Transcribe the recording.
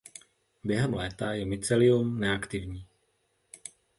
Během léta je mycelium neaktivní.